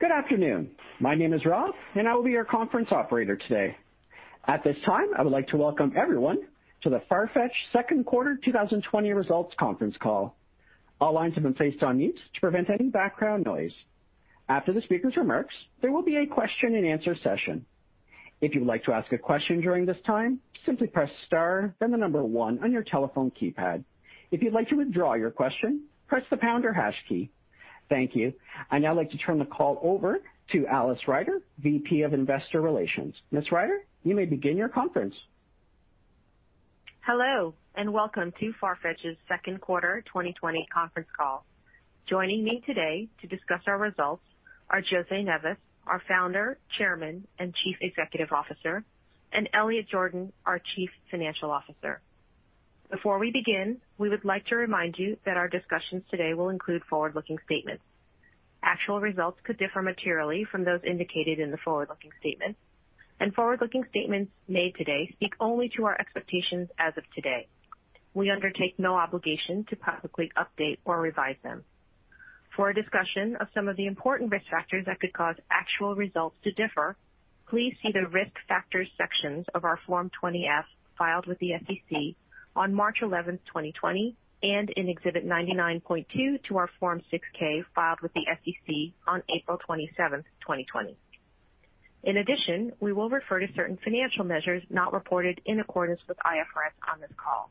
Good afternoon. My name is Rob, I will be your conference operator today. At this time, I would like to welcome everyone to the Farfetch second quarter 2020 results conference call. All lines have been placed on mute to prevent any background noise. After the speakers' remarks, there will be a question-and-answer session. If you would like to ask a question during this time, simply press star, then the number one on your telephone keypad. If you'd like to withdraw your question, press the pound or hash key. Thank you. I'd now like to turn the call over to Alice Ryder, VP of Investor Relations. Ms. Ryder, you may begin your conference. Hello, and welcome to Farfetch's second quarter 2020 conference call. Joining me today to discuss our results are José Neves, our Founder, Chairman, and Chief Executive Officer, and Elliot Jordan, our Chief Financial Officer. Before we begin, we would like to remind you that our discussions today will include forward-looking statements. Actual results could differ materially from those indicated in the forward-looking statements, and forward-looking statements made today speak only to our expectations as of today. We undertake no obligation to publicly update or revise them. For a discussion of some of the important risk factors that could cause actual results to differ, please see the Risk Factors sections of our Form 20-F filed with the SEC on March 11, 2020, and in Exhibit 99.2 to our Form 6-K filed with the SEC on April 27th, 2020. In addition, we will refer to certain financial measures not reported in accordance with IFRS on this call.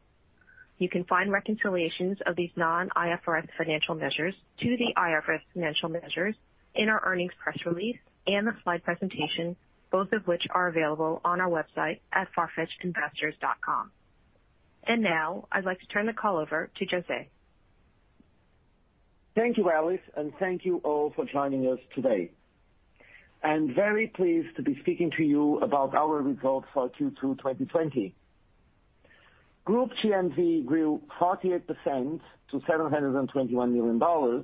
You can find reconciliations of these non-IFRS financial measures to the IFRS financial measures in our earnings press release and the slide presentation, both of which are available on our website at farfetchinvestors.com. Now, I'd like to turn the call over to José. Thank you, Alice. Thank you all for joining us today. I'm very pleased to be speaking to you about our results for Q2 2020. Group GMV grew 48% to $721 million,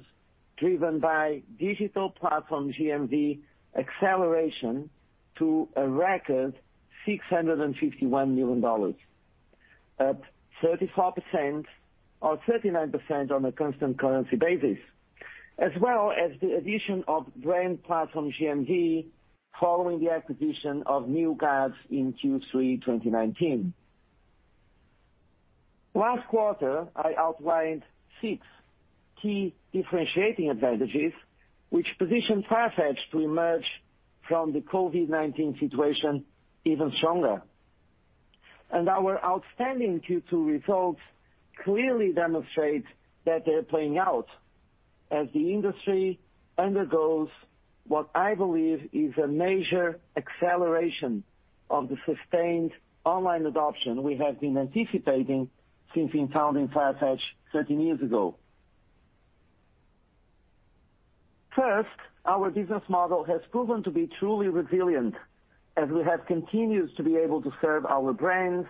driven by digital platform GMV acceleration to a record $651 million, up 39% on a constant currency basis, as well as the addition of brand platform GMV following the acquisition of New Guards in Q3 2019. Last quarter, I outlined six key differentiating advantages which positioned Farfetch to emerge from the COVID-19 situation even stronger. Our outstanding Q2 results clearly demonstrate that they're playing out as the industry undergoes what I believe is a major acceleration of the sustained online adoption we have been anticipating since we founded Farfetch 13 years ago. First, our business model has proven to be truly resilient as we have continued to be able to serve our brands,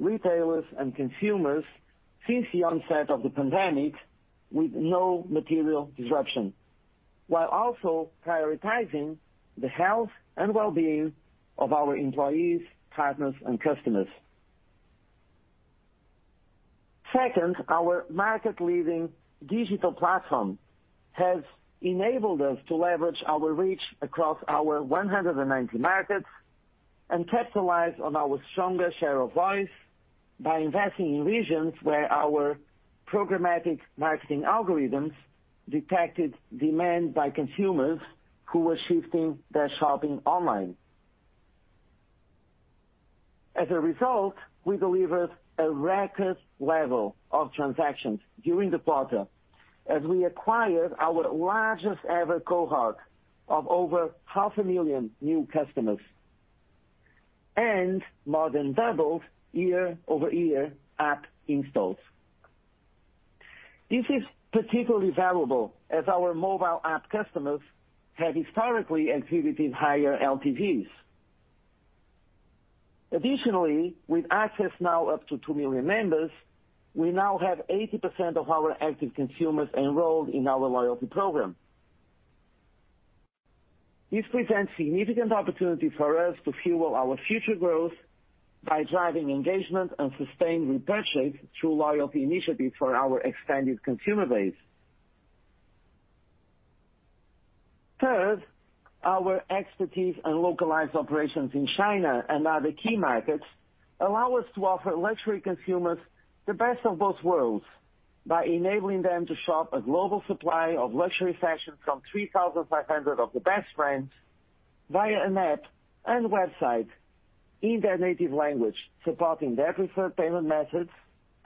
retailers, and consumers since the onset of the pandemic with no material disruption, while also prioritizing the health and wellbeing of our employees, partners, and customers. Second, our market-leading digital platform has enabled us to leverage our reach across our 190 markets and capitalize on our stronger share of voice by investing in regions where our programmatic marketing algorithms detected demand by consumers who were shifting their shopping online. As a result, we delivered a record level of transactions during the quarter as we acquired our largest-ever cohort of over half a million new customers and more than doubled year-over-year app installs. This is particularly valuable as our mobile app customers have historically exhibited higher LTVs. Additionally, with Access now up to 2 million members, we now have 80% of our active consumers enrolled in our loyalty program. This presents significant opportunity for us to fuel our future growth by driving engagement and sustained repurchase through loyalty initiatives for our expanded consumer base. Third, our expertise and localized operations in China and other key markets allow us to offer luxury consumers the best of both worlds by enabling them to shop a global supply of luxury fashion from 3,500 of the best brands via an app and website in their native language, supporting their preferred payment methods,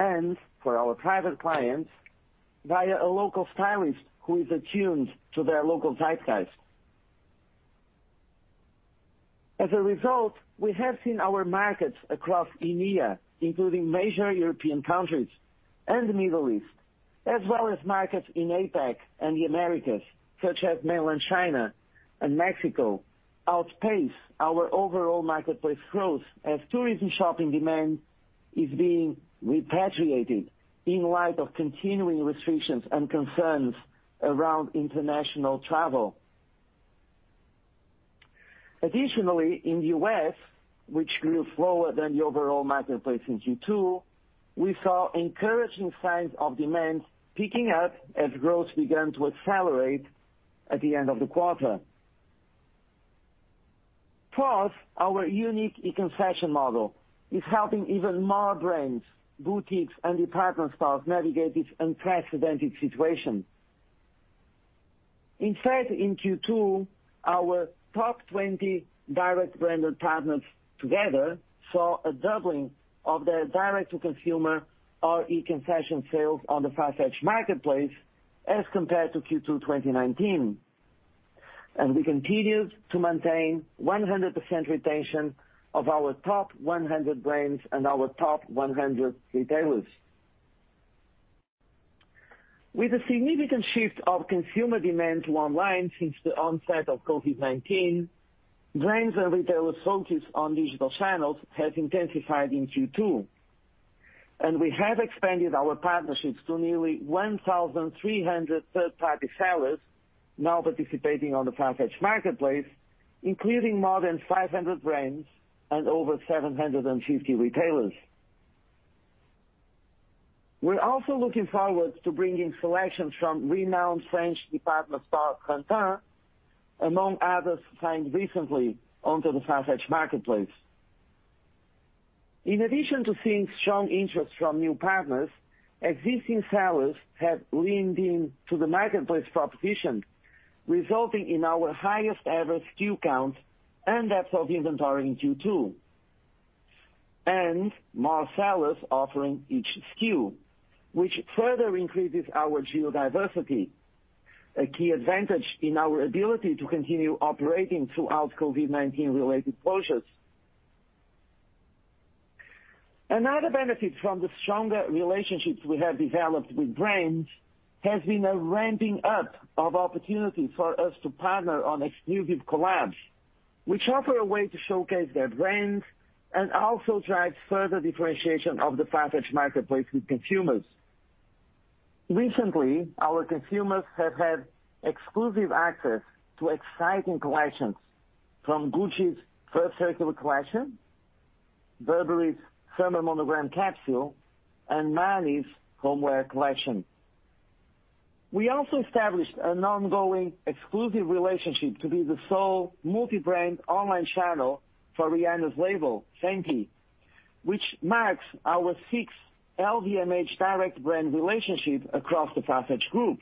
and for our private clients, via a local stylist who is attuned to their local zeitgeist. As a result, we have seen our markets across EMEA, including major European countries and the Middle East, as well as markets in APAC and the Americas, such as Mainland China and Mexico, outpace our overall marketplace growth as tourism shopping demand is being repatriated in light of continuing restrictions and concerns around international travel. Additionally, in the U.S., which grew slower than the overall marketplace in Q2, we saw encouraging signs of demand picking up as growth began to accelerate at the end of the quarter. Our unique e-concession model is helping even more brands, boutiques, and department stores navigate this unprecedented situation. In fact, in Q2, our top 20 direct branded partners together saw a doubling of their direct-to-consumer or e-concession sales on the Farfetch Marketplace as compared to Q2 2019. We continued to maintain 100% retention of our top 100 brands and our top 100 retailers. With a significant shift of consumer demand to online since the onset of COVID-19, brands and retailers' focus on digital channels has intensified in Q2. We have expanded our partnerships to nearly 1,300 third-party sellers now participating on the Farfetch Marketplace, including more than 500 brands and over 750 retailers. We're also looking forward to bringing selections from renowned French department store Printemps, among others signed recently, onto the Farfetch Marketplace. In addition to seeing strong interest from new partners, existing sellers have leaned in to the marketplace proposition, resulting in our highest ever SKU count and depth of inventory in Q2. More sellers offering each SKU, which further increases our geo-diversity, a key advantage in our ability to continue operating throughout COVID-19 related closures. Another benefit from the stronger relationships we have developed with brands has been a ramping up of opportunities for us to partner on exclusive collabs, which offer a way to showcase their brands and also drive further differentiation of the Farfetch Marketplace with consumers. Recently, our consumers have had exclusive access to exciting collections from Gucci's First Circular collection, Burberry's Summer Monogram capsule, and Marni's homeware collection. We also established an ongoing exclusive relationship to be the sole multi-brand online channel for Rihanna's label, Fenty, which marks our sixth LVMH direct brand relationship across the Farfetch group.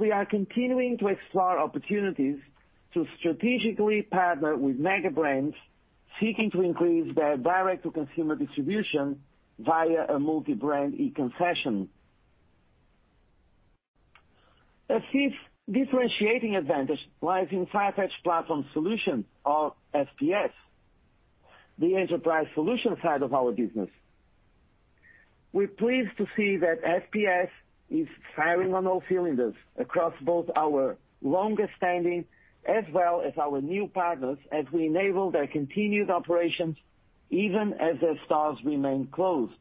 We are continuing to explore opportunities to strategically partner with mega brands seeking to increase their direct-to-consumer distribution via a multi-brand e-concession. A fifth differentiating advantage lies in Farfetch Platform Solutions or FPS, the enterprise solution side of our business. We're pleased to see that FPS is firing on all cylinders across both our longest standing as well as our new partners as we enable their continued operations, even as their stores remain closed.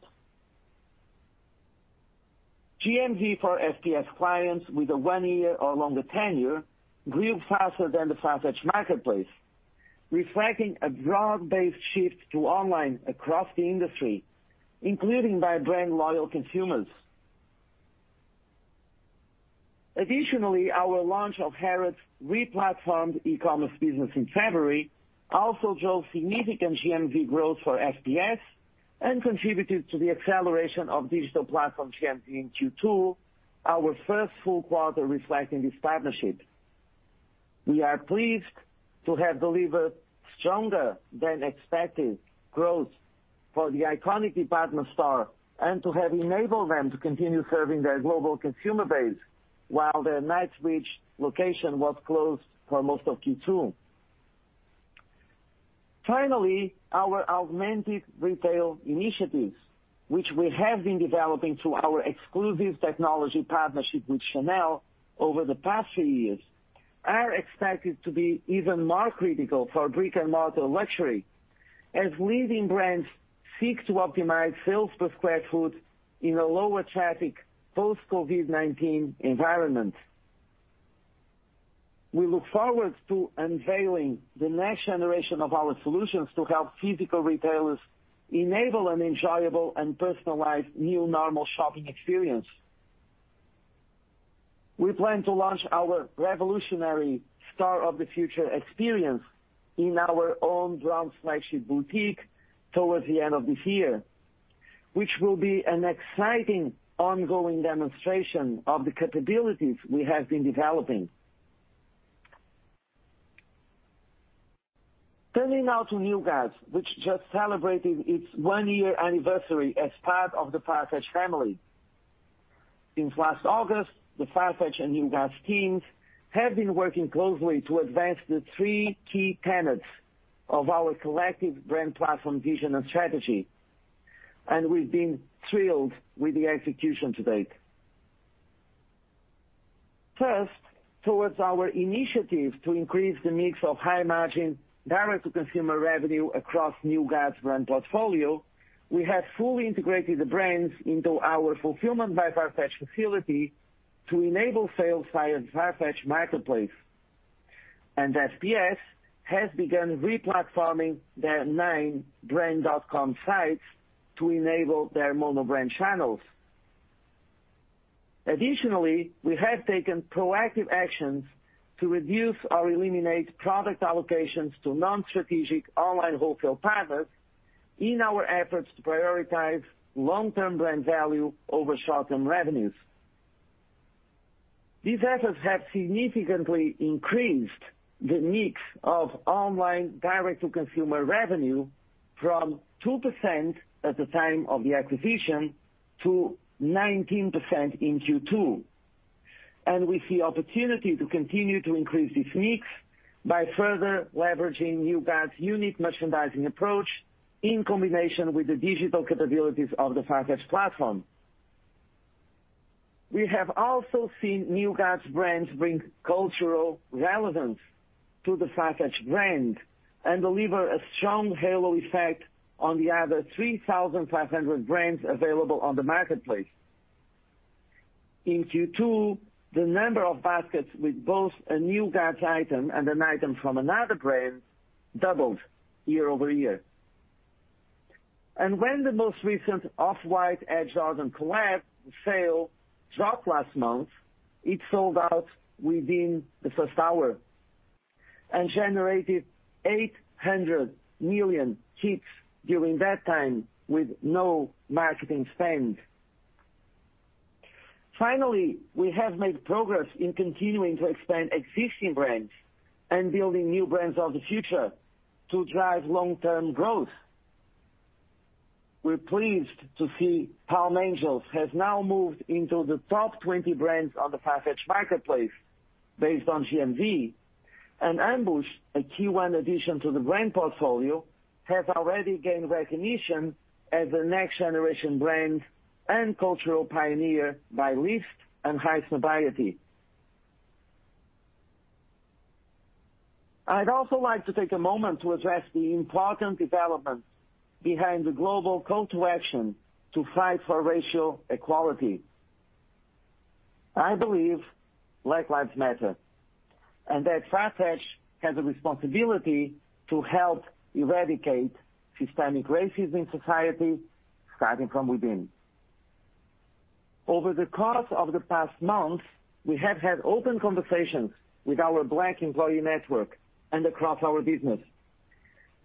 GMV for FPS clients with a one year or longer tenure grew faster than the Farfetch Marketplace, reflecting a broad-based shift to online across the industry, including by brand loyal consumers. Additionally, our launch of Harrods' re-platformed e-commerce business in February also drove significant GMV growth for FPS and contributed to the acceleration of digital platform GMV in Q2, our first full quarter reflecting this partnership. We are pleased to have delivered stronger than expected growth for the iconic department store and to have enabled them to continue serving their global consumer base while their Knightsbridge location was closed for most of Q2. Finally, our augmented retail initiatives, which we have been developing through our exclusive technology partnership with Chanel over the past three years, are expected to be even more critical for brick-and-mortar luxury as leading brands seek to optimize sales per square foot in a lower traffic post-COVID-19 environment. We look forward to unveiling the next generation of our solutions to help physical retailers enable an enjoyable and personalized new normal shopping experience. We plan to launch our revolutionary store of the future experience in our own brand flagship boutique towards the end of this year, which will be an exciting ongoing demonstration of the capabilities we have been developing. Turning now to New Guards, which just celebrated its one-year anniversary as part of the Farfetch family. Since last August, the Farfetch and New Guards teams have been working closely to advance the three key tenets of our collective brand platform vision and strategy, and we've been thrilled with the execution to date. First, towards our initiative to increase the mix of high margin direct-to-consumer revenue across New Guards' brand portfolio, we have fully integrated the brands into our Fulfillment by Farfetch facility to enable sales via the Farfetch Marketplace. FPS has begun re-platforming their nine brand.com sites to enable their mono brand channels. Additionally, we have taken proactive actions to reduce or eliminate product allocations to non-strategic online wholesale partners in our efforts to prioritize long-term brand value over short-term revenues. These efforts have significantly increased the mix of online direct-to-consumer revenue from 2% at the time of the acquisition to 19% in Q2. We see opportunity to continue to increase this mix by further leveraging New Guards' unique merchandising approach, in combination with the digital capabilities of the Farfetch platform. We have also seen New Guards' brands bring cultural relevance to the Farfetch brand and deliver a strong halo effect on the other 3,500 brands available on the Farfetch Marketplace. In Q2, the number of baskets with both a New Guards item and an item from another brand doubled year-over-year. When the most recent Off-White x Air Jordan collab sale dropped last month, it sold out within the first hour and generated 800 million hits during that time with no marketing spend. Finally, we have made progress in continuing to expand existing brands and building new brands of the future to drive long-term growth. We're pleased to see Palm Angels has now moved into the top 20 brands on the Farfetch Marketplace based on GMV. Ambush, a Q1 addition to the brand portfolio, has already gained recognition as a next generation brand and cultural pioneer by Lyst and Highsnobiety. I'd also like to take a moment to address the important developments behind the global call to action to fight for racial equality. I believe Black Lives Matter. Farfetch has a responsibility to help eradicate systemic racism in society, starting from within. Over the course of the past month, we have had open conversations with our black employee network and across our business.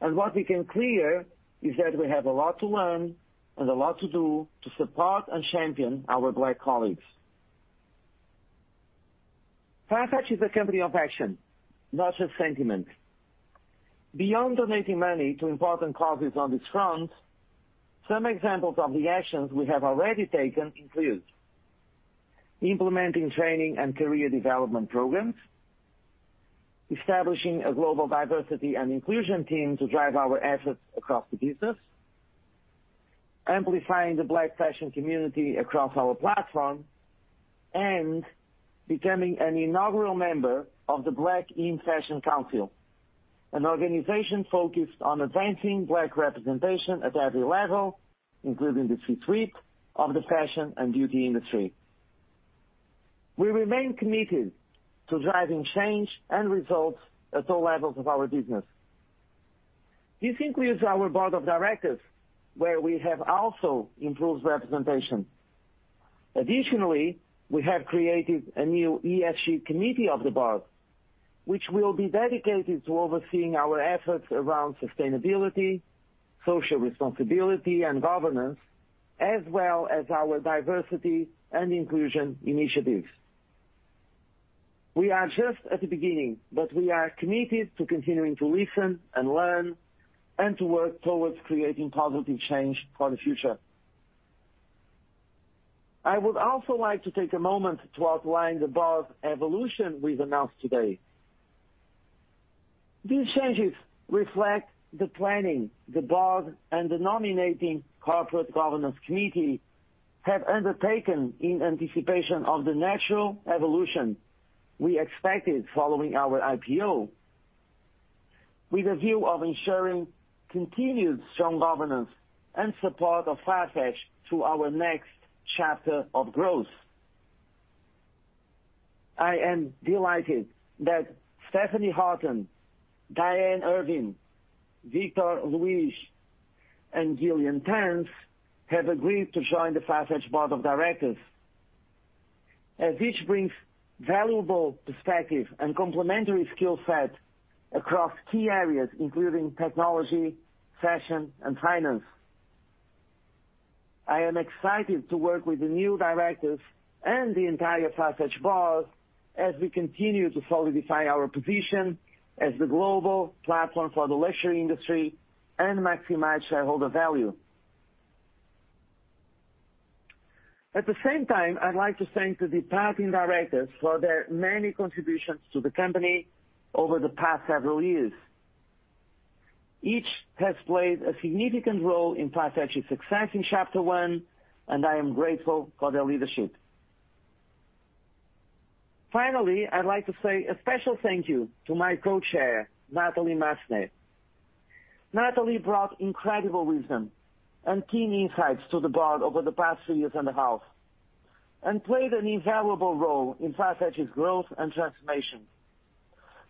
What became clear is that we have a lot to learn and a lot to do to support and champion our black colleagues. Farfetch is a company of action, not just sentiment. Beyond donating money to important causes on this front, some examples of the actions we have already taken include implementing training and career development programs, establishing a global diversity and inclusion team to drive our efforts across the business, amplifying the Black fashion community across our platform, and becoming an inaugural member of the Black in Fashion Council, an organization focused on advancing Black representation at every level, including the C-suite of the fashion and beauty industry. We remain committed to driving change and results at all levels of our business. This includes our board of directors, where we have also improved representation. Additionally, we have created a new ESG committee of the board, which will be dedicated to overseeing our efforts around sustainability, social responsibility, and governance, as well as our diversity and inclusion initiatives. We are just at the beginning, but we are committed to continuing to listen and learn and to work towards creating positive change for the future. I would also like to take a moment to outline the board's evolution we've announced today. These changes reflect the planning the board and the nominating corporate governance committee have undertaken in anticipation of the natural evolution we expected following our IPO, with a view of ensuring continued strong governance and support of Farfetch to our next chapter of growth. I am delighted that Stephanie Horton, Diane Irvine, Victor Luis, and Gillian Tans have agreed to join the Farfetch board of directors, as each brings valuable perspective and complementary skill set across key areas, including technology, fashion, and finance. I am excited to work with the new directors and the entire Farfetch board as we continue to solidify our position as the global platform for the luxury industry and maximize shareholder value. At the same time, I'd like to thank the departing directors for their many contributions to the company over the past several years. Each has played a significant role in Farfetch's success in chapter one, and I am grateful for their leadership. Finally, I'd like to say a special thank you to my co-chair, Natalie Massenet. Natalie brought incredible wisdom and keen insights to the board over the past three years and a half, and played an invaluable role in Farfetch's growth and transformation,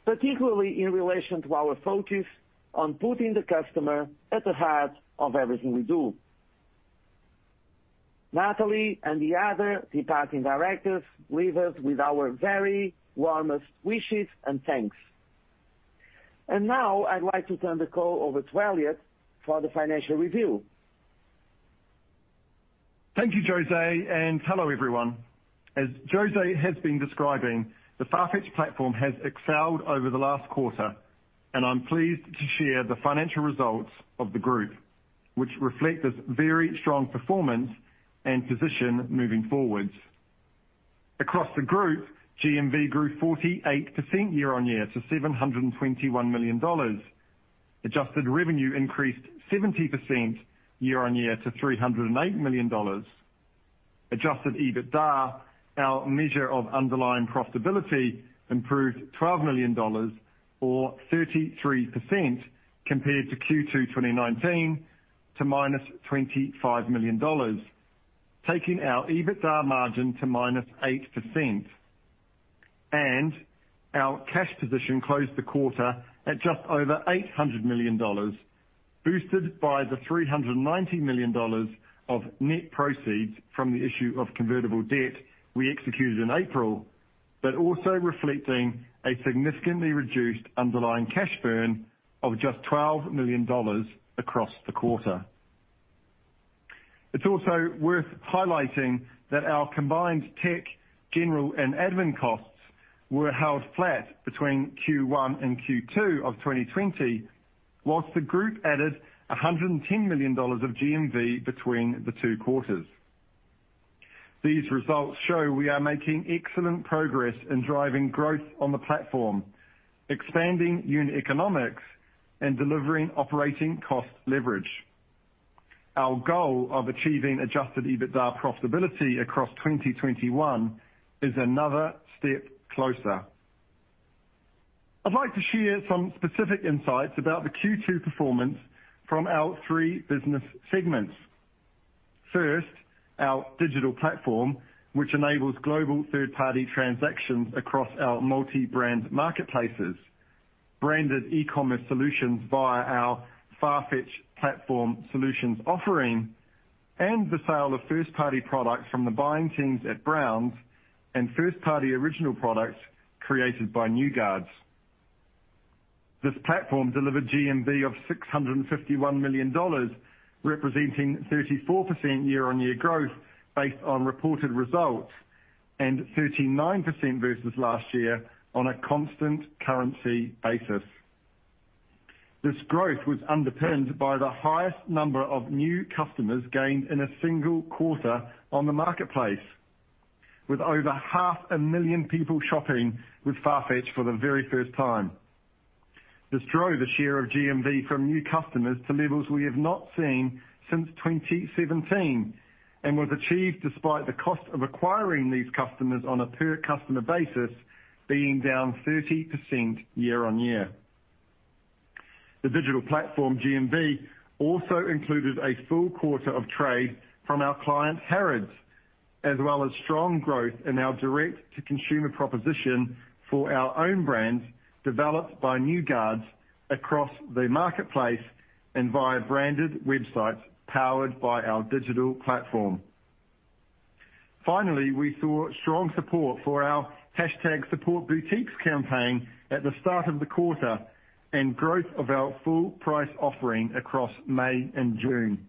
particularly in relation to our focus on putting the customer at the heart of everything we do. Natalie and the other departing directors leave us with our very warmest wishes and thanks. Now I'd like to turn the call over to Elliot for the financial review. Thank you, José, and hello, everyone. As José has been describing, the Farfetch platform has excelled over the last quarter, and I'm pleased to share the financial results of the group, which reflect this very strong performance and position moving forward. Across the group, GMV grew 48% year-on-year to $721 million. Adjusted revenue increased 70% year-on-year to $308 million. Adjusted EBITDA, our measure of underlying profitability, improved $12 million or 33% compared to Q2 2019 to -$25 million, taking our EBITDA margin to -8%. Our cash position closed the quarter at just over $800 million, boosted by the $390 million of net proceeds from the issue of convertible debt we executed in April, but also reflecting a significantly reduced underlying cash burn of just $12 million across the quarter. It's also worth highlighting that our combined tech, general, and admin costs were held flat between Q1 and Q2 of 2020, while the group added $110 million of GMV between the two quarters. These results show we are making excellent progress in driving growth on the platform, expanding unit economics, and delivering operating cost leverage. Our goal of achieving Adjusted EBITDA profitability across 2021 is another step closer. I'd like to share some specific insights about the Q2 performance from our three business segments. First, our digital platform, which enables global third-party transactions across our multi-brand marketplaces, branded e-commerce solutions via our Farfetch Platform Solutions offering, and the sale of first-party products from the buying teams at Browns, and first-party original products created by New Guards. This platform delivered GMV of $651 million, representing 34% year-on-year growth based on reported results, and 39% versus last year on a constant currency basis. This growth was underpinned by the highest number of new customers gained in a single quarter on the Marketplace, with over half a million people shopping with Farfetch for the very first time. This drove the share of GMV from new customers to levels we have not seen since 2017 and was achieved despite the cost of acquiring these customers on a per-customer basis being down 30% year-on-year. The digital platform GMV also included a full quarter of trade from our client, Harrods, as well as strong growth in our direct-to-consumer proposition for our own brands developed by New Guards across the Marketplace and via branded websites powered by our digital platform. Finally, we saw strong support for our #SupportBoutiques campaign at the start of the quarter, and growth of our full price offering across May and June.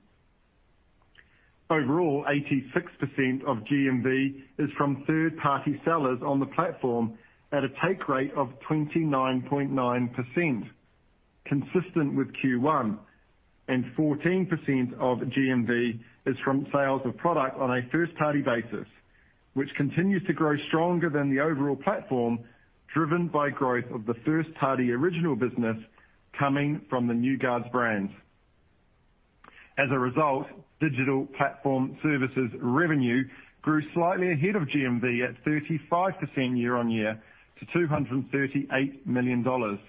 Overall, 86% of GMV is from third-party sellers on the platform at a take rate of 29.9%, consistent with Q1, and 14% of GMV is from sales of product on a first-party basis, which continues to grow stronger than the overall platform, driven by growth of the first-party original business coming from the New Guards brands. As a result, digital platform services revenue grew slightly ahead of GMV at 35% year-on-year to $238 million.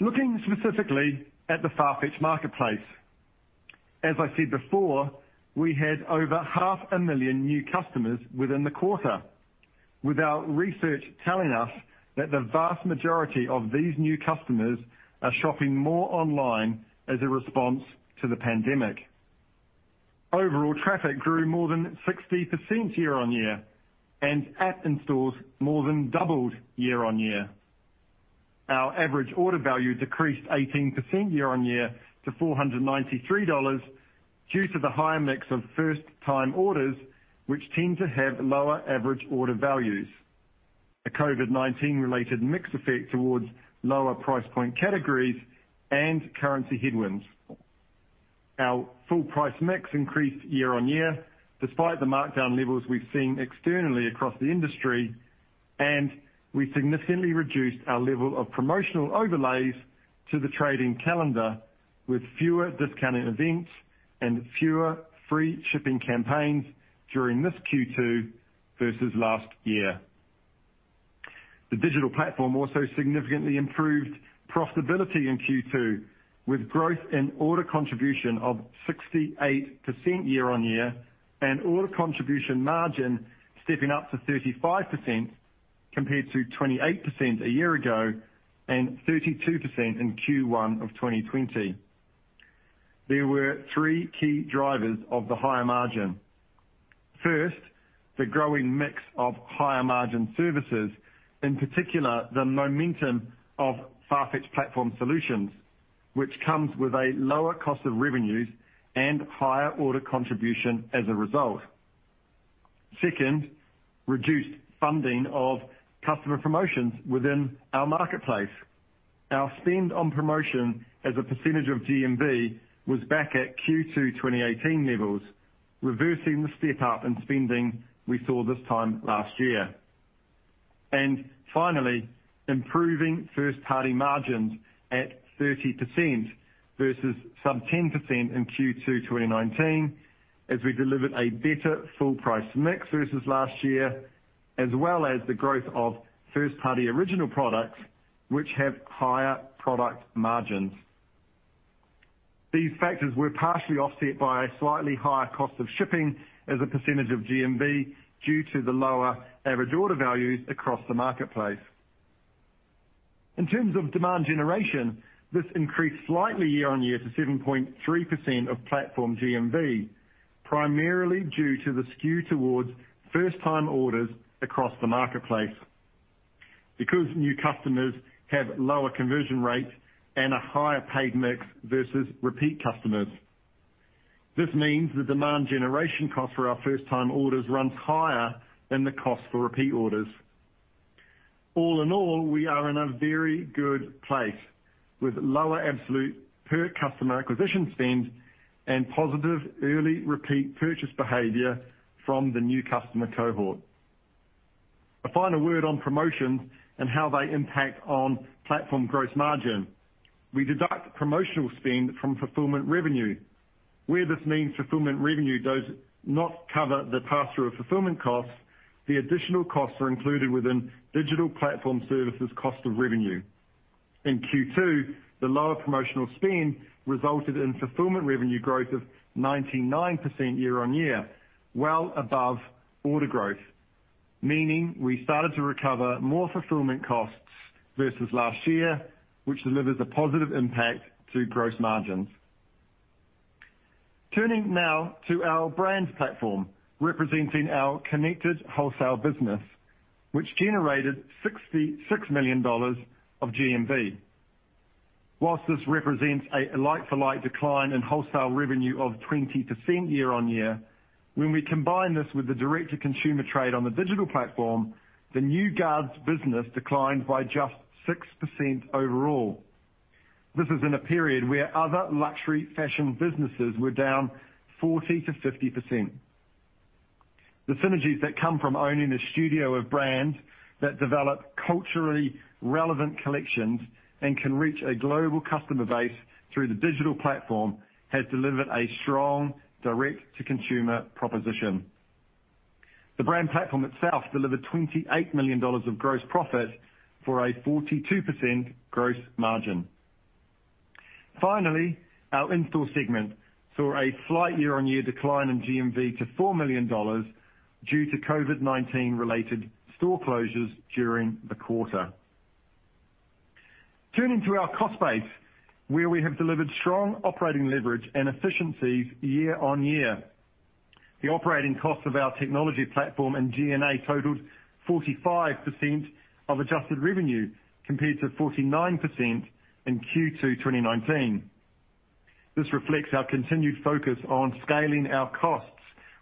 Looking specifically at the Farfetch Marketplace. As I said before, we had over half a million new customers within the quarter, with our research telling us that the vast majority of these new customers are shopping more online as a response to the pandemic. Overall traffic grew more than 60% year-on-year, and app installs more than doubled year-on-year. Our average order value decreased 18% year-on-year to $493 due to the higher mix of first-time orders, which tend to have lower average order values, a COVID-19 related mix effect towards lower price point categories and currency headwinds. Our full price mix increased year-on-year despite the markdown levels we've seen externally across the industry, and we significantly reduced our level of promotional overlays to the trading calendar with fewer discounted events and fewer free shipping campaigns during this Q2 versus last year. The digital platform also significantly improved profitability in Q2 with growth in order contribution of 68% year-on-year and order contribution margin stepping up to 35% compared to 28% a year ago and 32% in Q1 of 2020. There were three key drivers of the higher margin. First, the growing mix of higher margin services, in particular, the momentum of Farfetch Platform Solutions, which comes with a lower cost of revenues and higher order contribution as a result. Second, reduced funding of customer promotions within our Marketplace. Our spend on promotion as a percentage of GMV was back at Q2 2018 levels, reversing the step-up in spending we saw this time last year. Finally, improving first-party margins at 30% versus sub 10% in Q2 2019 as we delivered a better full price mix versus last year, as well as the growth of first-party original products which have higher product margins. These factors were partially offset by a slightly higher cost of shipping as a percentage of GMV due to the lower average order values across the Marketplace. In terms of demand generation, this increased slightly year-on-year to 7.3% of platform GMV, primarily due to the skew towards first-time orders across the Marketplace because new customers have lower conversion rates and a higher paid mix versus repeat customers. This means the demand generation cost for our first-time orders runs higher than the cost for repeat orders. All in all, we are in a very good place with lower absolute per customer acquisition spend and positive early repeat purchase behavior from the new customer cohort. A final word on promotions and how they impact on platform gross margin. We deduct promotional spend from fulfillment revenue. Where this means fulfillment revenue does not cover the pass-through of fulfillment costs, the additional costs are included within digital platform services cost of revenue. In Q2, the lower promotional spend resulted in fulfillment revenue growth of 99% year-on-year, well above order growth, meaning we started to recover more fulfillment costs versus last year, which delivers a positive impact to gross margins. Turning now to our brand platform, representing our connected wholesale business, which generated $66 million of GMV. Whilst this represents a like-for-like decline in wholesale revenue of 20% year-on-year, when we combine this with the direct-to-consumer trade on the digital platform, the New Guards business declined by just 6% overall. This is in a period where other luxury fashion businesses were down 40%-50%. The synergies that come from owning a studio of brands that develop culturally relevant collections and can reach a global customer base through the digital platform has delivered a strong direct-to-consumer proposition. The brand platform itself delivered $28 million of gross profit for a 42% gross margin. Finally, our in-store segment saw a slight year-on-year decline in GMV to $4 million due to COVID-19 related store closures during the quarter. Turning to our cost base, where we have delivered strong operating leverage and efficiencies year-on-year. The operating cost of our technology platform and G&A totaled 45% of adjusted revenue, compared to 49% in Q2 2019. This reflects our continued focus on scaling our costs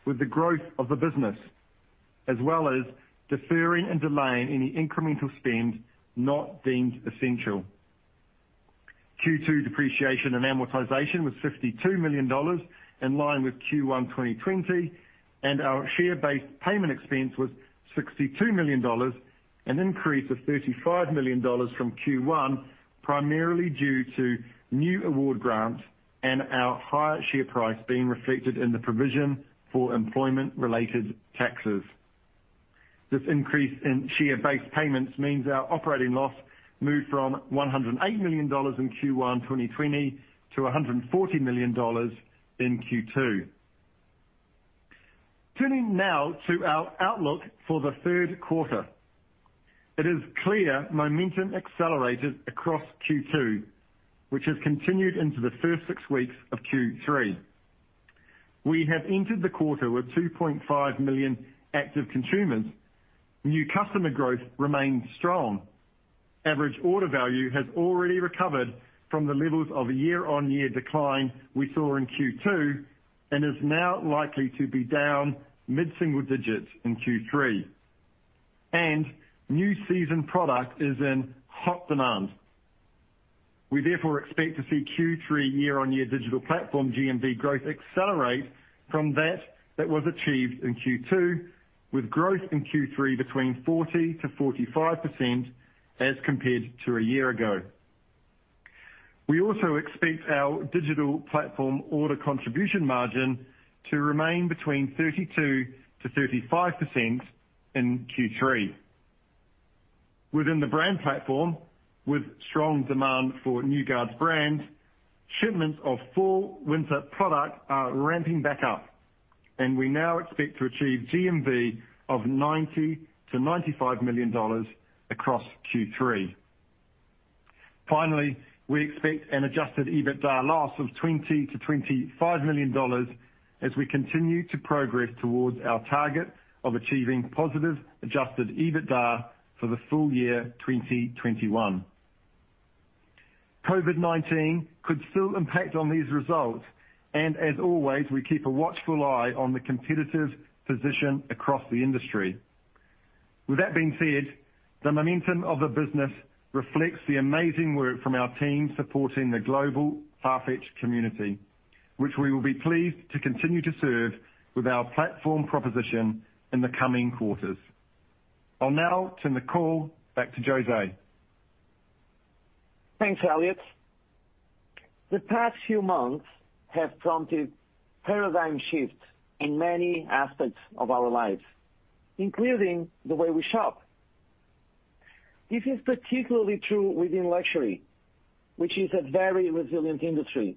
with the growth of the business, as well as deferring and delaying any incremental spend not deemed essential. Q2 depreciation and amortization was $52 million, in line with Q1 2020, and our share-based payment expense was $62 million, an increase of $35 million from Q1, primarily due to new award grants and our higher share price being reflected in the provision for employment-related taxes. This increase in share-based payments means our operating loss moved from $108 million in Q1 2020 to $140 million in Q2. Turning now to our outlook for the third quarter. It is clear momentum accelerated across Q2, which has continued into the first six weeks of Q3. We have entered the quarter with 2.5 million active consumers. New customer growth remains strong. Average order value has already recovered from the levels of year-on-year decline we saw in Q2 and is now likely to be down mid-single digits in Q3. New season product is in hot demand. We therefore expect to see Q3 year-on-year digital platform GMV growth accelerate from that was achieved in Q2, with growth in Q3 between 40%-45% as compared to a year ago. We also expect our digital platform order contribution margin to remain between 32%-35% in Q3. Within the brand platform, with strong demand for New Guards brand, shipments of fall/winter product are ramping back up, and we now expect to achieve GMV of $90 million-$95 million across Q3. Finally, we expect an Adjusted EBITDA loss of $20 million-$25 million as we continue to progress towards our target of achieving positive Adjusted EBITDA for the full year 2021. COVID-19 could still impact on these results, and as always, we keep a watchful eye on the competitive position across the industry. With that being said, the momentum of the business reflects the amazing work from our team supporting the global Farfetch community, which we will be pleased to continue to serve with our platform proposition in the coming quarters. I'll now turn the call back to José. Thanks, Elliot. The past few months have prompted paradigm shifts in many aspects of our lives, including the way we shop. This is particularly true within luxury, which is a very resilient industry,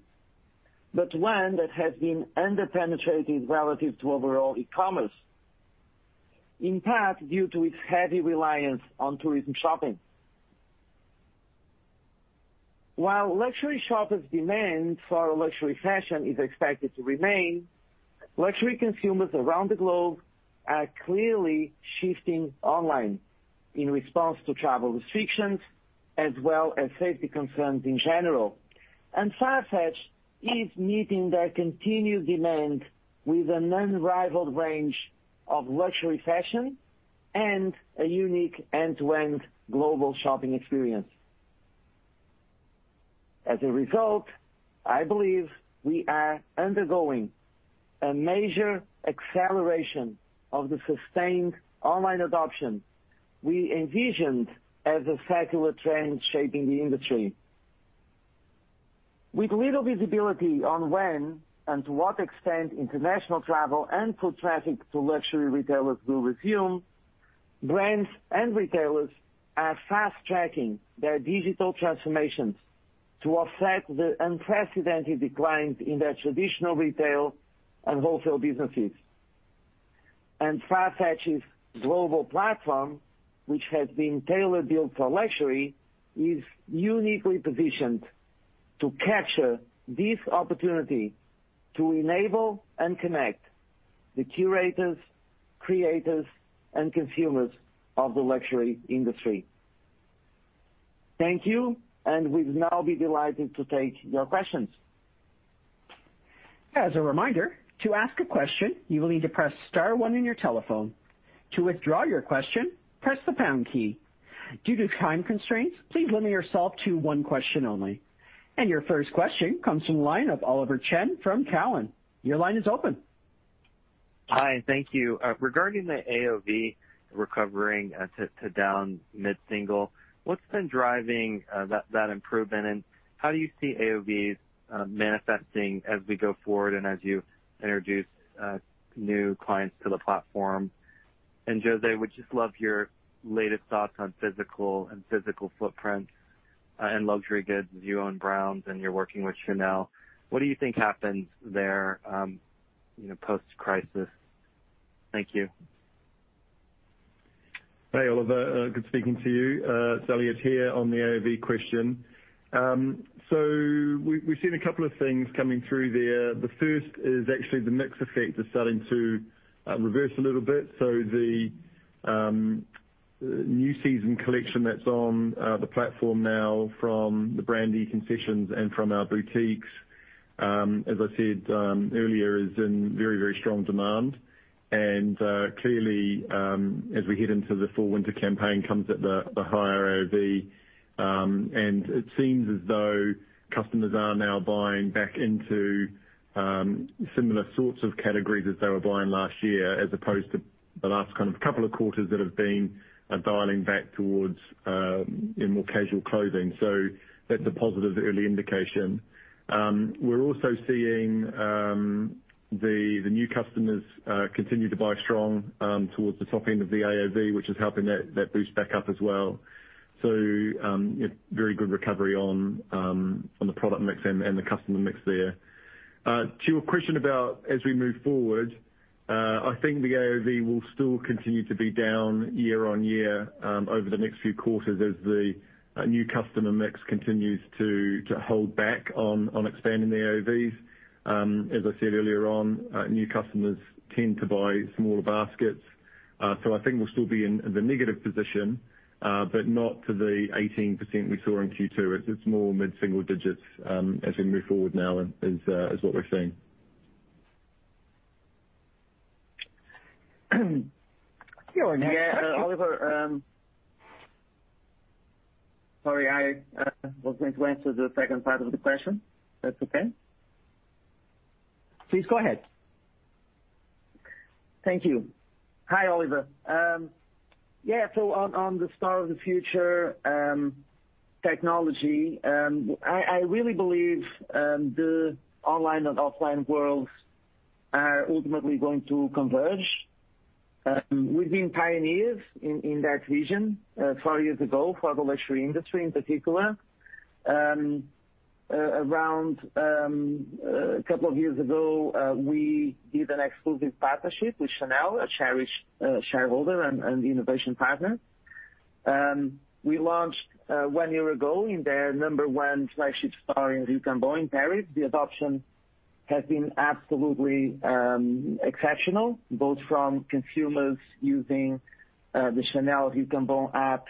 but one that has been under-penetrated relative to overall e-commerce, in part due to its heavy reliance on tourism shopping. While luxury shoppers' demand for luxury fashion is expected to remain, luxury consumers around the globe are clearly shifting online in response to travel restrictions as well as safety concerns in general. Farfetch is meeting that continued demand with an unrivaled range of luxury fashion and a unique end-to-end global shopping experience. As a result, I believe we are undergoing a major acceleration of the sustained online adoption we envisioned as a secular trend shaping the industry. With little visibility on when and to what extent international travel and foot traffic to luxury retailers will resume, brands and retailers are fast-tracking their digital transformations to offset the unprecedented declines in their traditional retail and wholesale businesses. Farfetch's global platform, which has been tailor-built for luxury, is uniquely positioned to capture this opportunity to enable and connect the curators, creators, and consumers of the luxury industry. Thank you. We'd now be delighted to take your questions. As a reminder, to ask a question, you will need to press star one on your telephone. To withdraw your question, press the pound key. Due to time constraints, please limit yourself to one question only. Your first question comes from the line of Oliver Chen from Cowen. Your line is open. Hi. Thank you. Regarding the AOV recovering to down mid-single, what's been driving that improvement, and how do you see AOVs manifesting as we go forward and as you introduce new clients to the platform? José, would just love your latest thoughts on physical and physical footprint, and luxury goods as you own Browns and you're working with Chanel. What do you think happens there post-crisis? Thank you. Hey, Oliver. Good speaking to you. It's Elliot here on the AOV question. We've seen two things coming through there. The first is actually the mix effect is starting to reverse a little bit. The new season collection that's on the platform now from the brand e-concessions and from our boutiques, as I said earlier, is in very strong demand. Clearly, as we head into the fall/winter campaign comes at the higher AOV, and it seems as though customers are now buying back into similar sorts of categories as they were buying last year, as opposed to the last kind of two quarters that have been dialing back towards more casual clothing. That's a positive early indication. We're also seeing the new customers continue to buy strong towards the top end of the AOV, which is helping that boost back up as well. Very good recovery on the product mix and the customer mix there. To your question about as we move forward, I think the AOV will still continue to be down year-on-year over the next few quarters as the new customer mix continues to hold back on expanding the AOVs. As I said earlier on, new customers tend to buy smaller baskets. I think we'll still be in the negative position, but not to the 18% we saw in Q2. It's more mid-single digits as we move forward now is what we're seeing. Yeah. Oliver, sorry, I was meant to answer the second part of the question. That's okay? Please go ahead. Thank you. Hi, Oliver. Yeah, on the store of the future technology, I really believe the online and offline worlds are ultimately going to converge. We've been pioneers in that vision four years ago for the luxury industry in particular. Around a couple of years ago, we did an exclusive partnership with Chanel, a cherished shareholder and innovation partner. We launched one year ago in their number one flagship store in Rue Cambon in Paris. The adoption has been absolutely exceptional, both from consumers using the Chanel Rue Cambon app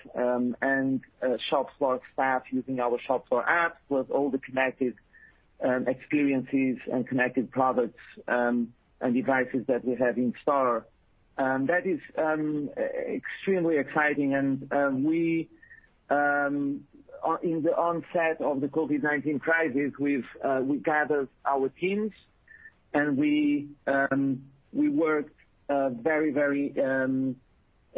and shop floor staff using our shop floor app, with all the connected experiences and connected products and devices that we have in store. That is extremely exciting and we, in the onset of the COVID-19 crisis, we gathered our teams and we worked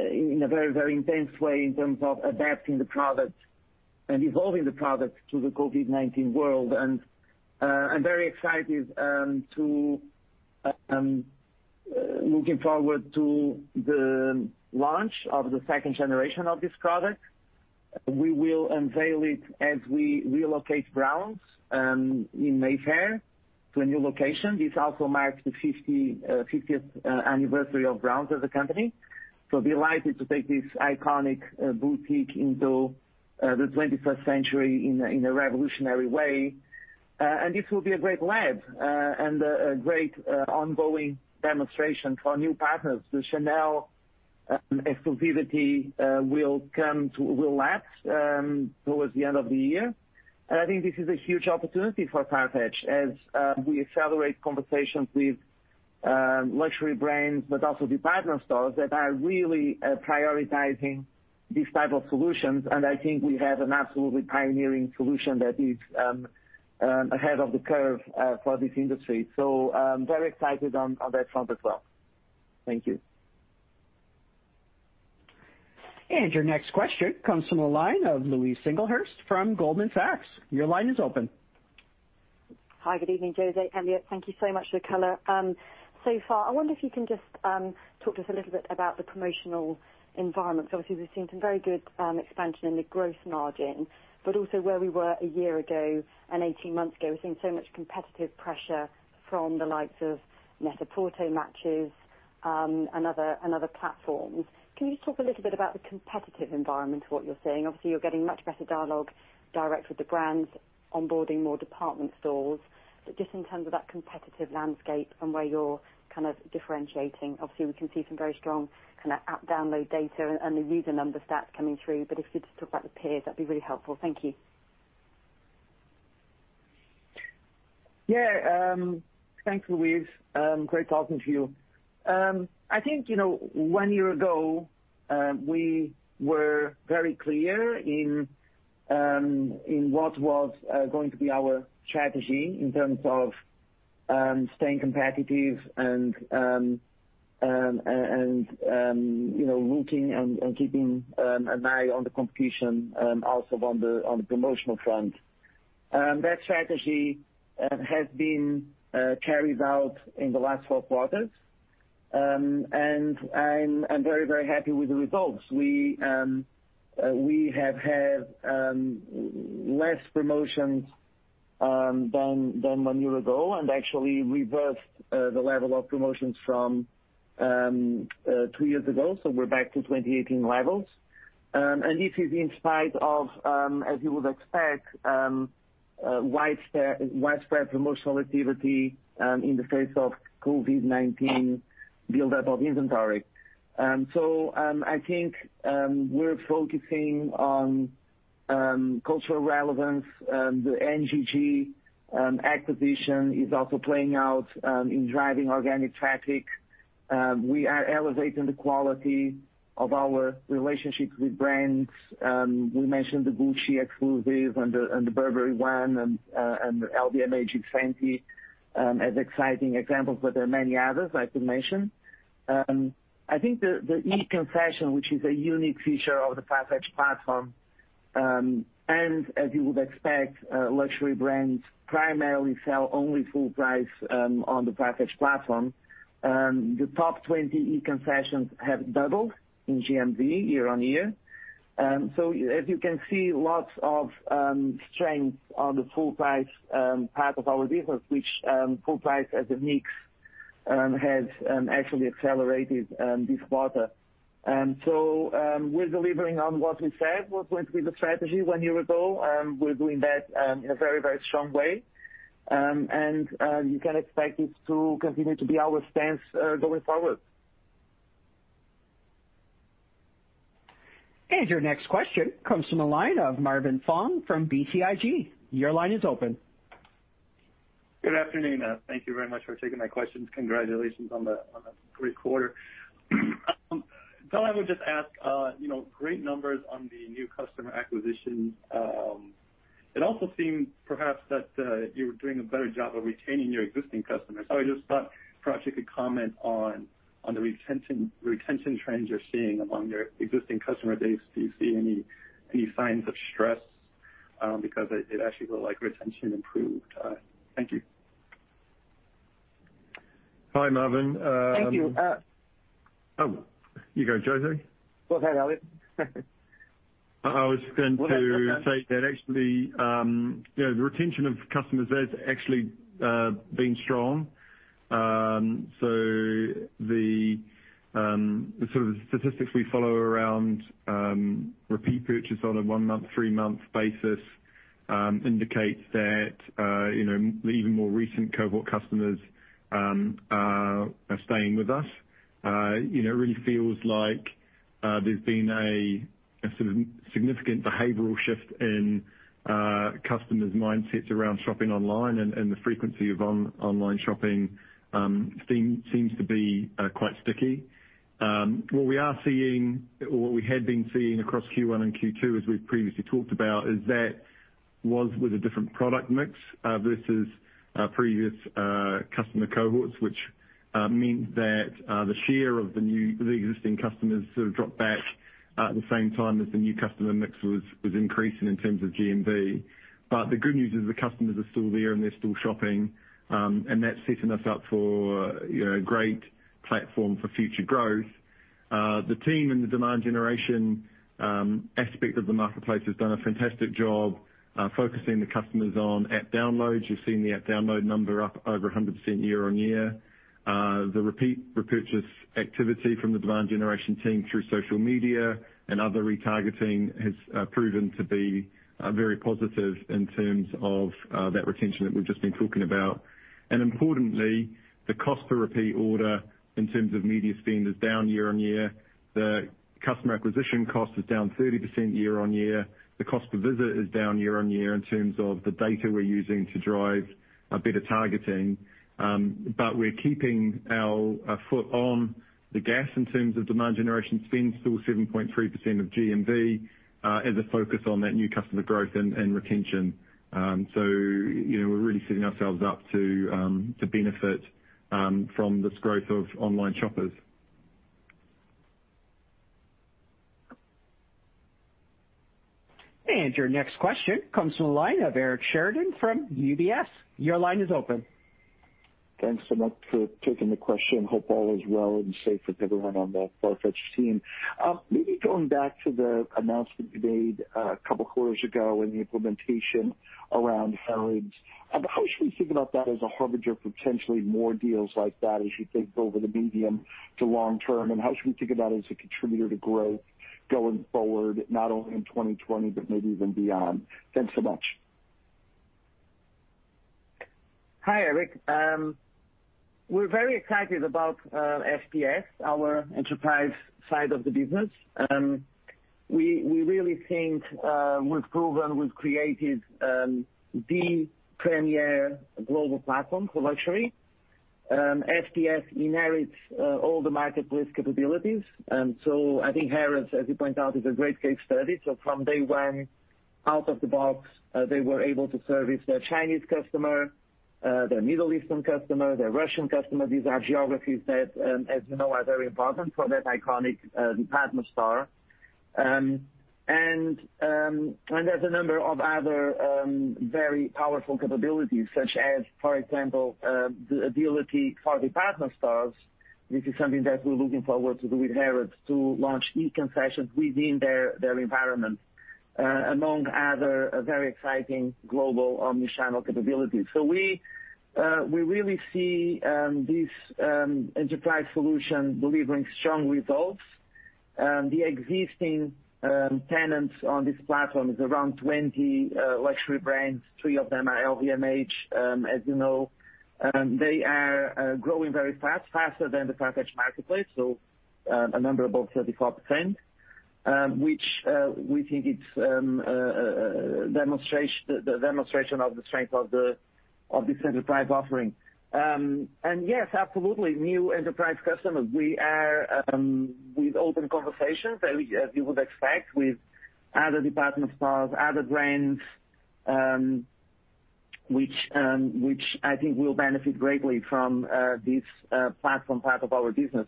in a very intense way in terms of adapting the product and evolving the product to the COVID-19 world. I'm very excited and looking forward to the launch of the second generation of this product. We will unveil it as we relocate Browns in Mayfair to a new location. This also marks the 50th anniversary of Browns as a company. Be delighted to take this iconic boutique into the 21st century in a revolutionary way. This will be a great lab and a great ongoing demonstration for new partners. The Chanel exclusivity will lapse towards the end of the year. I think this is a huge opportunity for Farfetch as we accelerate conversations with luxury brands, but also department stores that are really prioritizing these type of solutions. I think we have an absolutely pioneering solution that is ahead of the curve for this industry. Very excited on that front as well. Thank you. Your next question comes from the line of Louise Singlehurst from Goldman Sachs. Your line is open. Hi, good evening, José, Elliot. Thank you so much for the color. So far, I wonder if you can just talk to us a little bit about the promotional environment. Obviously we've seen some very good expansion in the growth margin, but also where we were a year ago and 18 months ago, we're seeing so much competitive pressure from the likes of NET-A-PORTER, Matchesfashion, and other platforms. Can you just talk a little bit about the competitive environment of what you're seeing? Obviously, you're getting much better dialogue direct with the brands, onboarding more department stores, but just in terms of that competitive landscape and where you're kind of differentiating. Obviously, we can see some very strong kind of app download data and the user number stats coming through. If you could just talk about the peers, that'd be really helpful. Thank you. Yeah. Thanks, Louise. Great talking to you. I think one year ago, we were very clear in what was going to be our strategy in terms of staying competitive and rooting and keeping an eye on the competition, also on the promotional front. That strategy has been carried out in the last four quarters. I'm very happy with the results. We have had less promotions than one year ago, and actually reversed the level of promotions from two years ago. We're back to 2018 levels. This is in spite of, as you would expect, widespread promotional activity in the face of COVID-19 buildup of inventory. I think we're focusing on cultural relevance. The NGG acquisition is also playing out in driving organic traffic. We are elevating the quality of our relationships with brands. We mentioned the Gucci exclusive and the Burberry one and the LVMH x20 as exciting examples. There are many others I could mention. I think the e-concession, which is a unique feature of the Farfetch platform. As you would expect, luxury brands primarily sell only full price on the Farfetch platform. The top 20 e-concessions have doubled in GMV year-on-year. As you can see, lots of strength on the full price part of our business, which full price as a mix has actually accelerated this quarter. We're delivering on what we said was going to be the strategy one year ago. We're doing that in a very strong way. You can expect this to continue to be our stance going forward. Your next question comes from the line of Marvin Fong from BTIG. Your line is open. Good afternoon. Thank you very much for taking my questions. Congratulations on the great quarter. I would just ask, great numbers on the new customer acquisition. It also seemed perhaps that you were doing a better job of retaining your existing customers. I just thought perhaps you could comment on the retention trends you're seeing among your existing customer base. Do you see any signs of stress? Because it actually looked like retention improved. Thank you. Hi, Marvin. Thank you. Oh, you go, José. Go ahead, Elliot. I was going to say that actually, the retention of customers has actually been strong. The sort of statistics we follow around repeat purchase on a one-month, three-month basis indicates that even more recent cohort customers are staying with us. It really feels like there's been a sort of significant behavioral shift in customers' mindsets around shopping online, and the frequency of online shopping seems to be quite sticky. What we are seeing, or what we had been seeing across Q1 and Q2, as we've previously talked about, is that was with a different product mix versus previous customer cohorts, which means that the share of the existing customers sort of dropped back at the same time as the new customer mix was increasing in terms of GMV. The good news is the customers are still there, and they're still shopping. That's setting us up for a great platform for future growth. The team and the demand generation aspect of the Farfetch Marketplace has done a fantastic job focusing the customers on app downloads. You've seen the app download number up over 100% year-on-year. The repeat repurchase activity from the demand generation team through social media and other retargeting has proven to be very positive in terms of that retention that we've just been talking about. Importantly, the cost per repeat order in terms of media spend is down year-on-year. The Customer Acquisition Cost is down 30% year-on-year. The cost per visit is down year-on-year in terms of the data we're using to drive better targeting. We're keeping our foot on the gas in terms of demand generation spend, still 7.3% of GMV, as a focus on that new customer growth and retention. We're really setting ourselves up to benefit from this growth of online shoppers. Your next question comes from the line of Eric Sheridan from UBS. Your line is open. Thanks so much for taking the question. Hope all is well and safe with everyone on the Farfetch team. Maybe going back to the announcement you made a couple of quarters ago and the implementation around Harrods. How should we think about that as a harbinger for potentially more deals like that as you think over the medium to long term, and how should we think about it as a contributor to growth going forward, not only in 2020, but maybe even beyond? Thanks so much. Hi, Eric. We're very excited about FPS, our enterprise side of the business. We really think we've proven we've created the premier global platform for luxury. FPS inherits all the marketplace capabilities. I think Harrods, as you point out, is a great case study. From day one, out of the box, they were able to service their Chinese customer, their Middle Eastern customer, their Russian customer. These are geographies that, as you know, are very important for that iconic department store. There's a number of other very powerful capabilities, such as, for example, the ability for department stores, this is something that we're looking forward to do with Harrods, to launch e-concessions within their environment, among other very exciting global omni-channel capabilities. We really see this enterprise solution delivering strong results. The existing tenants on this platform is around 20 luxury brands. Three of them are LVMH, as you know. They are growing very fast, faster than the Farfetch Marketplace, a number above 34%, which we think it's the demonstration of the strength of this enterprise offering. Yes, absolutely, new enterprise customers. We are with open conversations, as you would expect, with other department stores, other brands, which I think will benefit greatly from this platform type of our business.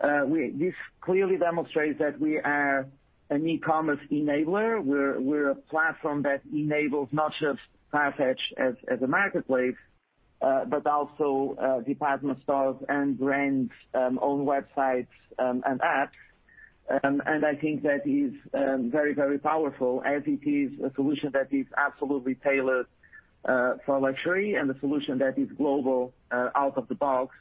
This clearly demonstrates that we are an e-commerce enabler. We're a platform that enables not just Farfetch as a marketplace, but also department stores and brands' own websites and apps. I think that is very, very powerful as it is a solution that is absolutely tailored for luxury and a solution that is global out of the box,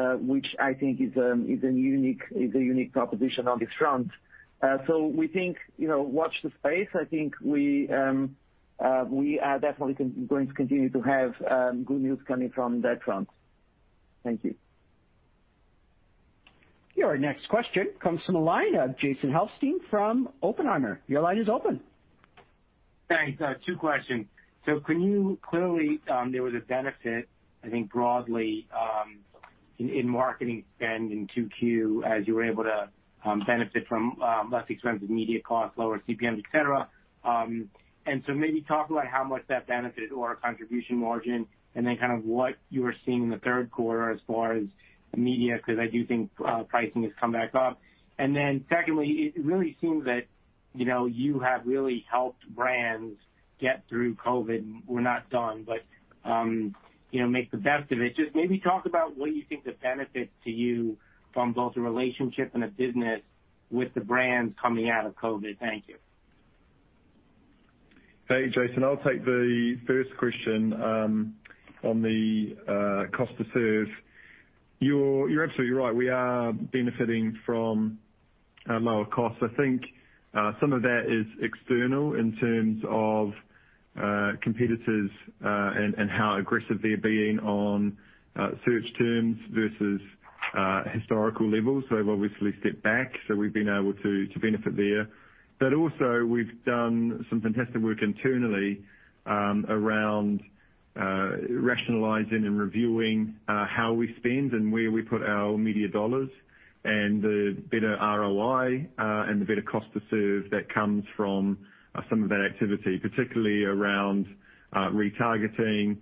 which I think is a unique proposition on this front. We think, watch this space. I think we are definitely going to continue to have good news coming from that front. Thank you. Your next question comes from the line of Jason Helfstein from Oppenheimer. Your line is open. Thanks. Two questions. Clearly, there was a benefit, I think, broadly in marketing spend in Q2 as you were able to benefit from less expensive media costs, lower CPMs, et cetera. Maybe talk about how much that benefited our contribution margin, and then what you are seeing in the third quarter as far as media, because I do think pricing has come back up. Secondly, it really seems that you have really helped brands get through COVID-19. We're not done, but make the best of it. Just maybe talk about what you think the benefit to you from both a relationship and a business with the brands coming out of COVID-19. Thank you. Hey, Jason. I'll take the first question on the cost to serve. You're absolutely right. We are benefiting from lower costs. I think some of that is external in terms of competitors, and how aggressive they're being on search terms versus historical levels. They've obviously stepped back. We've been able to benefit there. Also we've done some fantastic work internally around rationalizing and reviewing how we spend and where we put our media dollars and the better ROI, and the better cost to serve that comes from some of that activity, particularly around retargeting,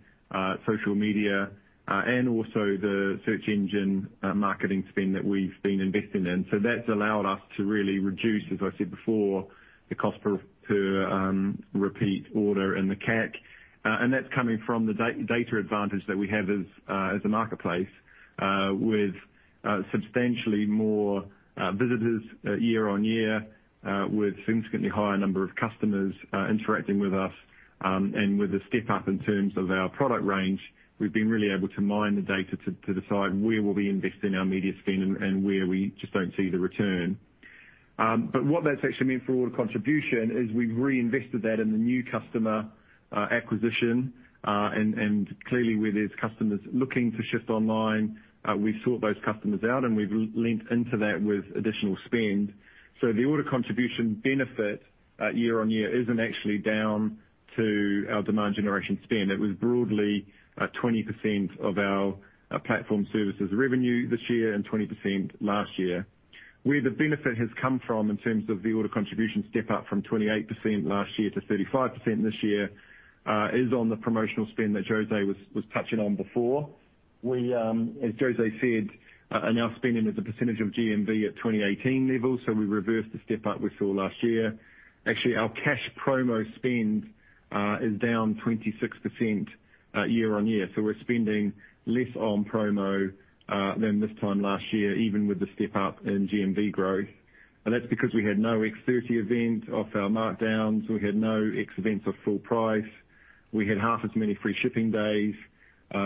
social media, and also the search engine marketing spend that we've been investing in. That's allowed us to really reduce, as I said before, the cost per repeat order and the CAC. That's coming from the data advantage that we have as a Marketplace with substantially more visitors year-on-year, with significantly higher number of customers interacting with us. With a step-up in terms of our product range, we've been really able to mine the data to decide where we'll be investing our media spend and where we just don't see the return. What that's actually meant for order contribution is we've reinvested that in the new customer acquisition. Clearly, where there's customers looking to shift online, we've sought those customers out, and we've leaned into that with additional spend. The order contribution benefit year-on-year isn't actually down to our demand generation spend. It was broadly 20% of our Platform Services revenue this year and 20% last year. Where the benefit has come from in terms of the order contribution step-up from 28% last year to 35% this year, is on the promotional spend that José was touching on before. As José said, our spending as a percentage of GMV at 2018 levels, so we reversed the step-up we saw last year. Actually, our cash promo spend is down 26% year-on-year. We're spending less on promo than this time last year, even with the step-up in GMV growth. That's because we had no x30 event off our markdowns. We had no X events of full price. We had half as many free shipping days. As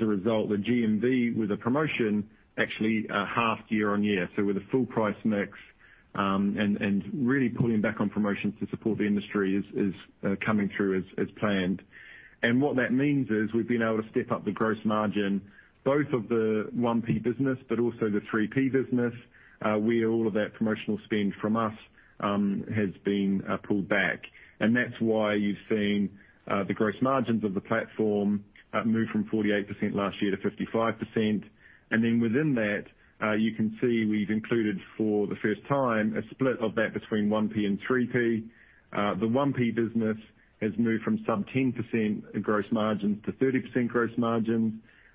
a result, the GMV with the promotion actually half year-on-year. With a full price mix, and really pulling back on promotions to support the industry is coming through as planned. What that means is we've been able to step up the gross margin both of the 1P business, but also the 3P business. Where all of that promotional spend from us has been pulled back. That's why you've seen the gross margins of the platform move from 48% last year to 55%. Then within that, you can see we've included, for the first time, a split of that between 1P and 3P. The 1P business has moved from sub 10% gross margins to 30% gross margins.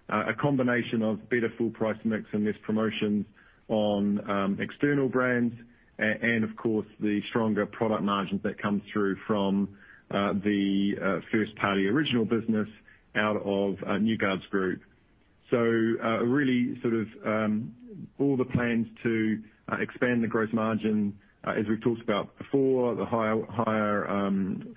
A combination of better full price mix and less promotions on external brands. Of course, the stronger product margins that come through from the first-party original business out of New Guards Group. Really, sort of all the plans to expand the gross margin, as we've talked about before, the higher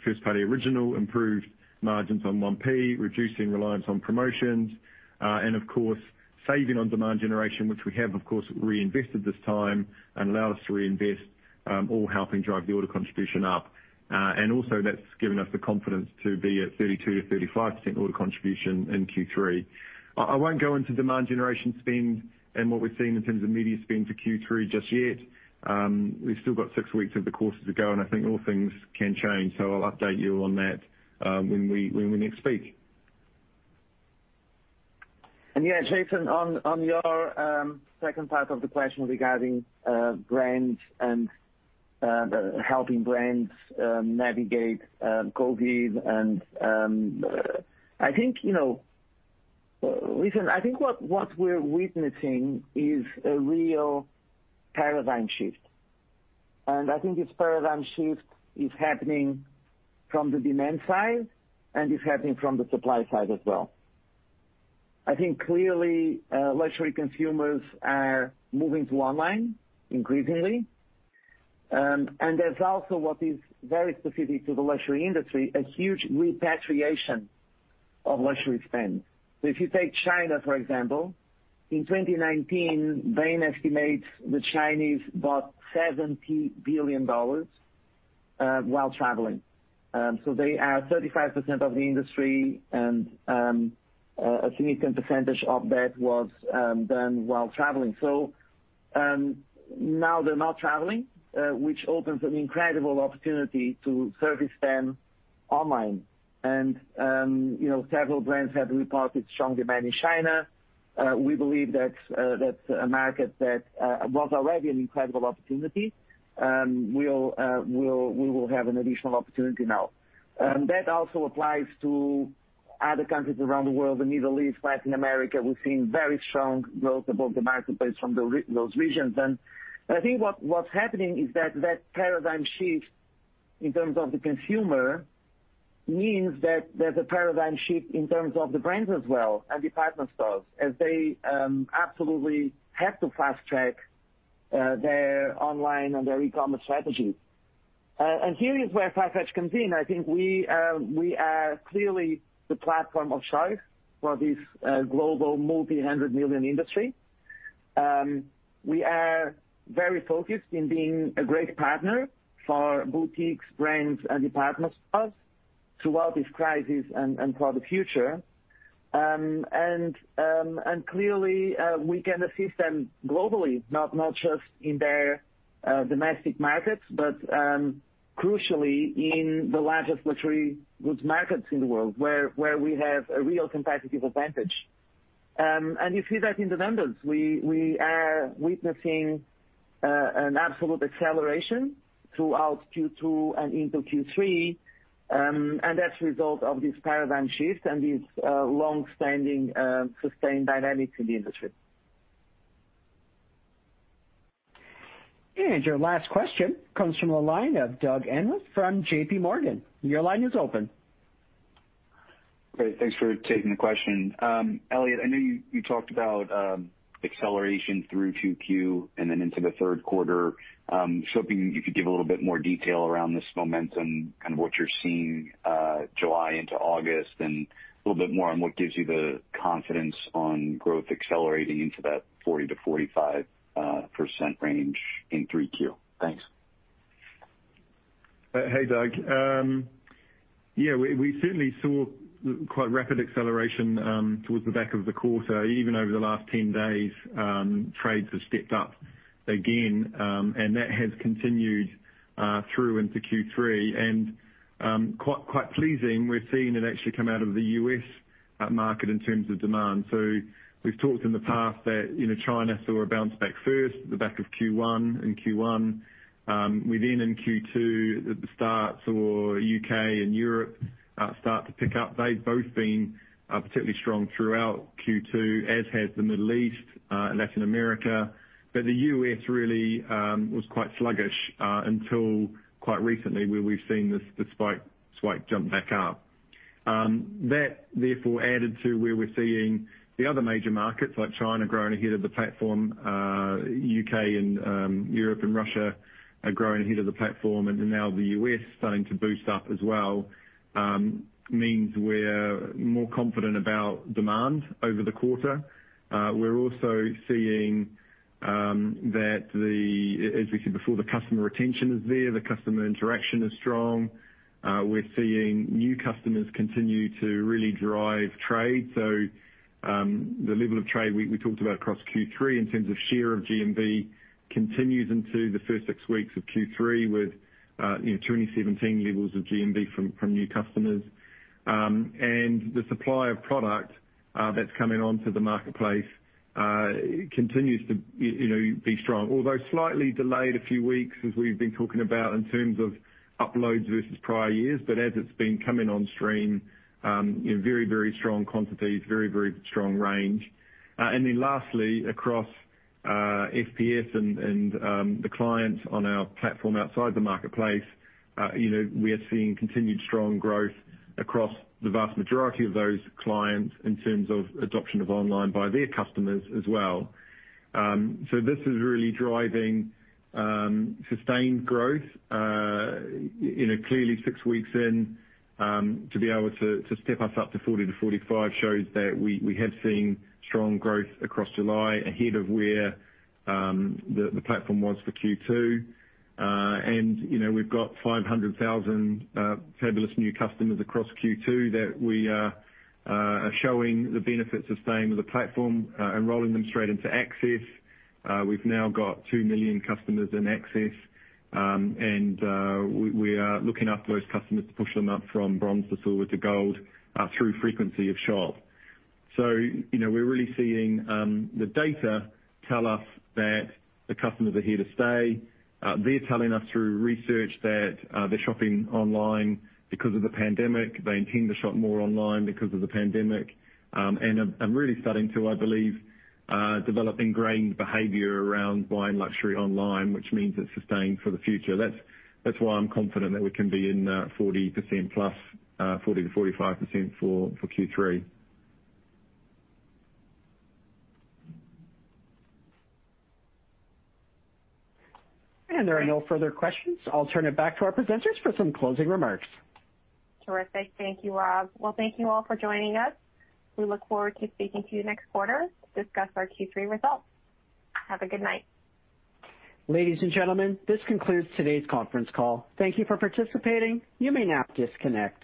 first-party original improved margins on 1P, reducing reliance on promotions. Of course, saving on demand generation, which we have, of course, reinvested this time and allowed us to reinvest, all helping drive the order contribution up. Also that's given us the confidence to be at 32%-35% order contribution in Q3. I won't go into demand generation spend and what we're seeing in terms of media spend for Q3 just yet. We've still got six weeks of the quarter to go, and I think all things can change. I'll update you on that when we next speak. Yeah, Jason, on your second part of the question regarding brands and helping brands navigate COVID, and I think what we're witnessing is a real paradigm shift. I think this paradigm shift is happening from the demand side and is happening from the supply side as well. I think clearly, luxury consumers are moving to online increasingly. There's also what is very specific to the luxury industry, a huge repatriation of luxury spend. If you take China, for example, in 2019, Bain estimates the Chinese bought $70 billion while traveling. They are 35% of the industry, and a significant percentage of that was done while traveling. Now they're not traveling, which opens an incredible opportunity to service them online. Several brands have reported strong demand in China. We believe that a market that was already an incredible opportunity, we will have an additional opportunity now. That also applies to other countries around the world, the Middle East, Latin America. We've seen very strong growth above the Marketplace from those regions. I think what's happening is that paradigm shift in terms of the consumer means that there's a paradigm shift in terms of the brands as well, and department stores, as they absolutely have to fast-track their online and their e-commerce strategy. Here is where Farfetch comes in. I think we are clearly the platform of choice for this global multi-hundred million industry. We are very focused on being a great partner for boutiques, brands, and department stores throughout this crisis and for the future. Clearly, we can assist them globally, not just in their domestic markets, but crucially, in the largest luxury goods markets in the world, where we have a real competitive advantage. You see that in the numbers. We are witnessing an absolute acceleration throughout Q2 and into Q3. That's a result of this paradigm shift and these longstanding, sustained dynamics in the industry. Your last question comes from the line of Doug Anmuth from JPMorgan. Your line is open. Great. Thanks for taking the question. Elliot, I know you talked about acceleration through 2Q and then into the third quarter. I was hoping you could give a little bit more detail around this momentum, kind of what you're seeing July into August, and a little bit more on what gives you the confidence on growth accelerating into that 40%-45% range in 3Q. Thanks. Hey, Doug. Yeah, we certainly saw quite rapid acceleration towards the back of the quarter. Even over the last 10 days, trades have stepped up again. That has continued through into Q3. Quite pleasing, we're seeing it actually come out of the U.S. market in terms of demand. We've talked in the past that China saw a bounce back first at the back of Q1. We, in Q2, at the start, saw U.K. and Europe start to pick up. They've both been particularly strong throughout Q2, as has the Middle East and Latin America. The U.S. really was quite sluggish until quite recently, where we've seen the spike jump back up. That, therefore, added to where we're seeing the other major markets, like China, growing ahead of the platform. U.K., Europe, and Russia are growing ahead of the platform. Now the U.S. starting to boost up as well means we're more confident about demand over the quarter. We're also seeing that the, as we said before, the customer retention is there. The customer interaction is strong. We're seeing new customers continue to really drive trade. The level of trade we talked about across Q3 in terms of share of GMV continues into the first six weeks of Q3 with 2017 levels of GMV from new customers. The supply of product that's coming onto the Marketplace continues to be strong, although slightly delayed a few weeks, as we've been talking about in terms of uploads versus prior years. As it's been coming on stream, very strong quantities, very strong range. Then lastly, across FPS and the clients on our platform outside the Marketplace, we are seeing continued strong growth across the vast majority of those clients in terms of adoption of online by their customers as well. This is really driving sustained growth. Clearly six weeks in, to be able to step us up to 40 to 45 shows that we have seen strong growth across July ahead of where the platform was for Q2. We've got 500,000 fabulous new customers across Q2 that we are showing the benefits of staying with the platform, enrolling them straight into Access. We've now got 2 million customers in Access, and we are looking after those customers to push them up from bronze to silver to gold through frequency of shop. We're really seeing the data tell us that the customers are here to stay. They're telling us through research that they're shopping online because of the pandemic. They intend to shop more online because of the pandemic. I'm really starting to, I believe, develop ingrained behavior around buying luxury online, which means it's sustained for the future. That's why I'm confident that we can be in 40%+, 40%-45% for Q3. There are no further questions. I'll turn it back to our presenters for some closing remarks. Terrific. Thank you, Rob. Thank you all for joining us. We look forward to speaking to you next quarter to discuss our Q3 results. Have a good night. Ladies and gentlemen, this concludes today's conference call. Thank you for participating. You may now disconnect.